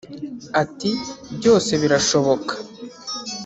Ati “Byose birashoboka